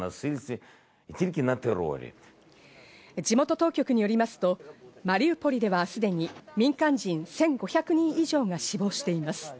地元当局によりますと、マリウポリではすでに民間人１５００人以上が死亡しています。